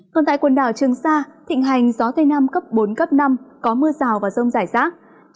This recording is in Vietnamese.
còn tại quần đảo trường sa thịnh hành gió tây nam cấp bốn cấp năm có mưa rào và rông rải rác